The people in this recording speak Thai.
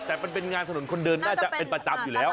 แต่มันเป็นงานถนนคนเดินน่าจะเป็นประจำอยู่แล้ว